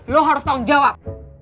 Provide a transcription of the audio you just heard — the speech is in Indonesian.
lo harus tanggung jawab